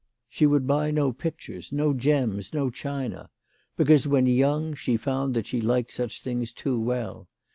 She would buy no pictures, no gems, no china, because when young she found that she liked such things too well.